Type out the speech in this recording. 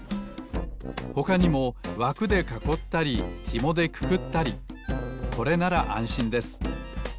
ほかにもわくでかこったりひもでくくったりこれならあんしんです。